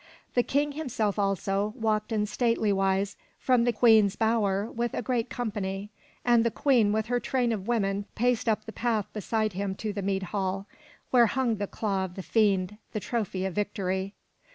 The King himself also, walked in stately wise from the Queen's bower with a great company, and the Queen with her train of women paced up the path beside him to the mead hall, where hung the claw of the fiend, the trophy of victory.